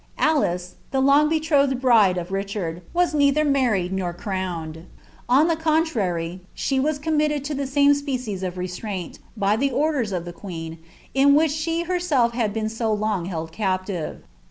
Alice, the long betrothed bnde of Richard, was neither married nor owned. On the contrary, she was committed to the same species of •traint, by tlie orders of the queen, in which she herself had been so ng held captive.